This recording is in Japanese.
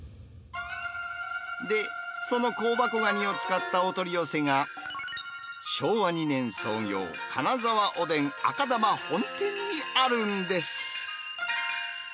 で、その香箱ガニを使ったお取り寄せが昭和２年創業、金沢おでん赤玉本店にあるんです。